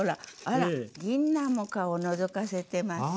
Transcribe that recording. あらぎんなんも顔をのぞかせてます！